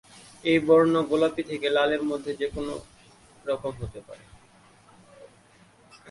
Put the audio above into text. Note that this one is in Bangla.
এই বর্ণ গোলাপী থেকে লালের মধ্যে যে কোনও রকম হতে পারে।